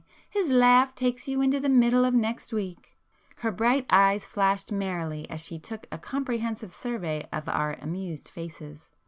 —his laugh takes you into the middle of next week!" Her bright eyes flashed merrily as she took a comprehensive survey of our amused faces.